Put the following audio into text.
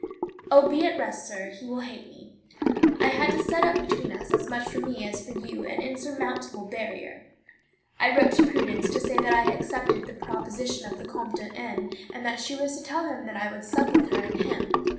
"Oh, be at rest, sir; he will hate me." I had to set up between us, as much for me as for you, an insurmountable barrier. I wrote to Prudence to say that I accepted the proposition of the Comte de N., and that she was to tell him that I would sup with her and him.